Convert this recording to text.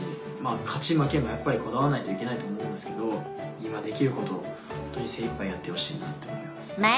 勝ち負けもこだわらないといけないと思うんですけど今できることを精いっぱいやってほしいなって思います。